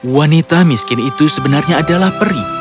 wanita miskin itu sebenarnya adalah peri